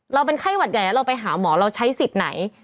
เป็นไข้หวัดใหญ่แล้วเราไปหาหมอเราใช้สิทธิ์ไหน